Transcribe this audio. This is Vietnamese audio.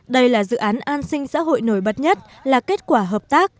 đây là dự án an sinh xã hội nổi bật nhất là kết quả hợp tác